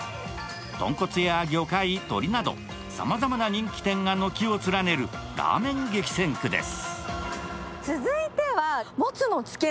豚骨や魚介、鶏などさまざまな人気店が軒を連ねるラーメン激戦区です。